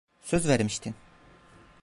Söz vermiştin.